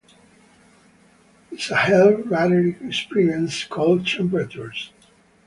The Sahel rarely experiences cold temperatures.